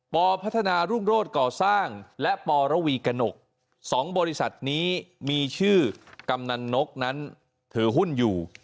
พัฒนารุ่งโรศก่อสร้างและปรวีกระหนก๒บริษัทนี้มีชื่อกำนันนกนั้นถือหุ้นอยู่